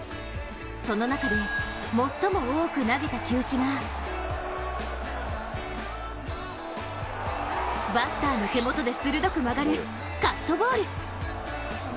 その中で最も多く投げた球種がバッターの手元で鋭く曲がるカットボール。